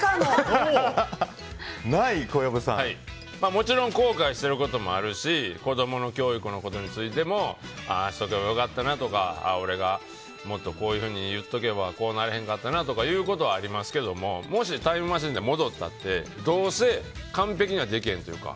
もちろん後悔してることもありますし子供の教育のことについてもああしておけばよかったなとか俺がもっとこういうふうに言っておけばこうならへんかったなということはありますけどももしタイムマシンで戻ったってどうせ、完璧にはできんというか。